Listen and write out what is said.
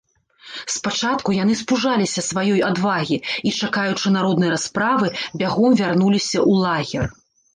Спачатку яны спужаліся сваёй адвагі і, чакаючы народнай расправы, бягом вярнуліся ў лагер.